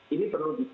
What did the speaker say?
ini perlu di pick